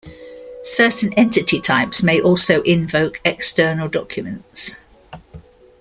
Certain entity types may also invoke external documents.